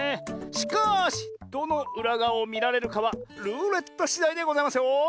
しかしどのうらがわをみられるかはルーレットしだいでございますよ。